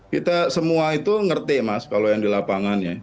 kita semua itu ngerti mas kalau yang di lapangannya